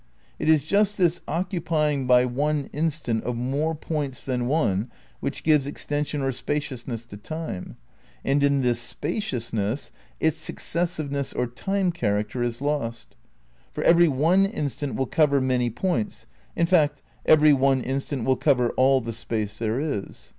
It is just this occupying by one instant of more points than one which gives extension or spaciousness to Time, and in this spaciousness its successiveness or time character is lost; for every one instant will cover many points, in fact every one instant will cover all the space there is.